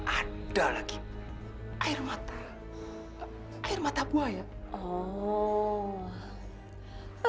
ada lagi air mata air mata buaya oh